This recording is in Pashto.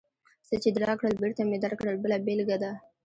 څه چې دې راکړل، بېرته مې درکړل بله بېلګه ده.